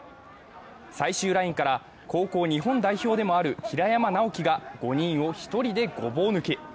最終ラインから高校日本代表でもある平山尚樹が５人を１人でごぼう抜き。